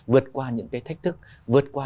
vượt qua những cái thách thức vượt qua